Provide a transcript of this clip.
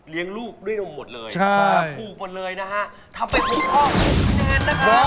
เลี้ยงลูกด้วยหมดเลยป่าคู่หมดเลยนะฮะทำเป็น๖ข้อเพิ่ม๖คะแนนนะครับ